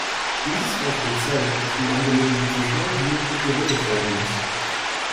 Dieses Beispiel zeigt, dass diese Angelegenheit so schnell wie möglich geregelt werden muss.